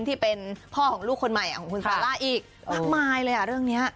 ที่เป็นพ่อของลูกคนใหม่ของคุณซาร่าอีกมากมายเลยอ่ะเรื่องนี้